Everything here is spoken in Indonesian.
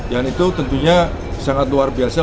dan itu tentunya sangat luar biasa